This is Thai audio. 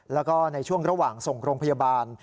แล้วก็ในช่วงระหว่างส่งโรงพยาบาล